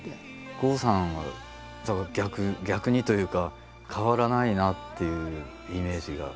郷さんは逆逆にというか変わらないなっていうイメージが。